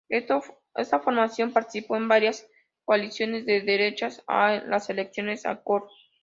Esta formación participó en varias coaliciones de derechas a las elecciones a Cort.